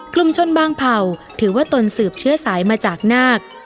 กลุ่มชนบางเผ่าถือว่าตนสืบเชื้อสายมาจากนาค